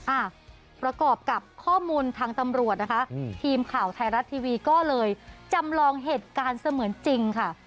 อ่ะประกอบกับข้อมูลทางตำรวจนะคะอืมทีมข่าวไทยรัฐทีวีก็เลยจำลองเหตุการณ์เสมือนจริงค่ะ